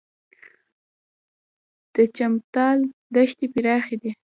د چمتال دښتې پراخې دي